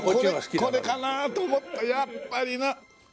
これかなと思ったやっぱりな！